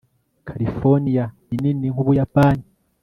californiya ni nini nk'ubuyapani